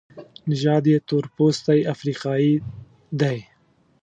نژاد یې تورپوستی افریقایی دی.